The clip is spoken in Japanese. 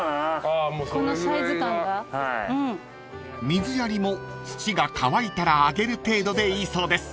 ［水やりも土が乾いたらあげる程度でいいそうです］